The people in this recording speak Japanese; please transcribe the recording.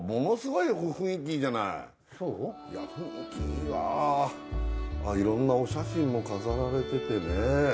いや雰囲気いいわあっ色んなお写真も飾られててね